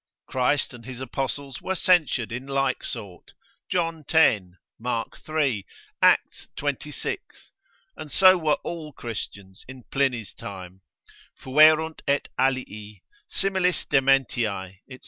Christ and his Apostles were censured in like sort, John x.; Mark iii.; Acts xxvi. And so were all Christians in Pliny's time, fuerunt et alii, similis dementiae, &c.